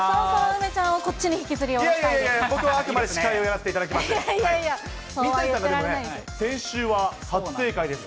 梅ちゃんをこっちに引きずりいやいやいや、僕はあくまで司会をやらせていただきます。